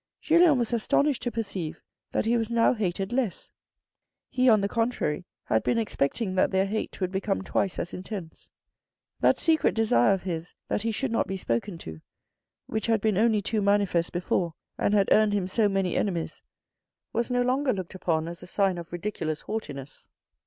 Julien was astonished to perceive that he was now hated less. He, on the contrary, had been expecting that their hate would become twice as intense. That secret desire of his that he should not be spoken to, which had been only too manifest before, and had earned him so many enemies, was no longer looked upon as a sign of ridiculous haughtiness.